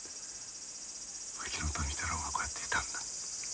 牧野富太郎がこうやっていたんだ。